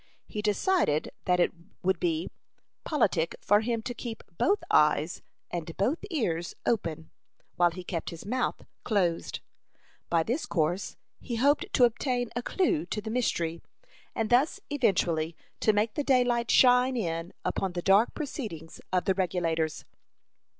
He decided that it would be politic for him to keep both eyes and both ears open, while he kept his mouth closed. By this course he hoped to obtain a clew to the mystery, and thus eventually to make the daylight shine in upon the dark proceedings of the Regulators.